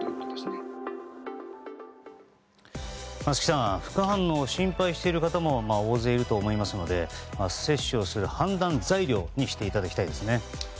松木さん副反応を心配してる方も大勢いると思いますので接種をする判断材料にしてほしいですね。